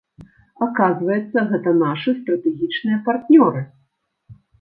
Аказваецца, гэта нашы стратэгічныя партнёры.